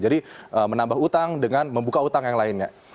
jadi menambah utang dengan membuka utang yang lainnya